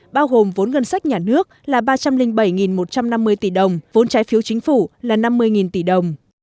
bao gồm vốn ngân sách nhà nước là ba trăm linh bảy một trăm năm mươi tỷ đồng vốn trái phiếu chính phủ là năm mươi tỷ đồng